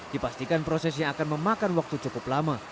dipastikan prosesnya akan memakan waktu cukup lama